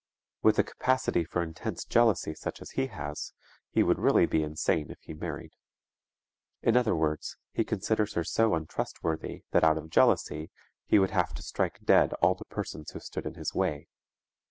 With a capacity for intense jealousy such as he has, he would really be insane if he married. In other words, he considers her so untrustworthy that out of jealousy he would have to strike dead all the persons who stood in his way.